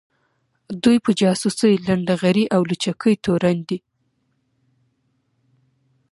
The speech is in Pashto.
دوی په جاسوۍ ، لنډغري او لوچکۍ تورن دي